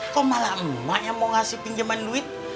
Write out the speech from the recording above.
kok malah emak yang mau ngasih pinjaman duit